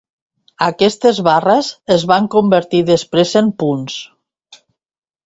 Aquestes barres es van convertir després en punts.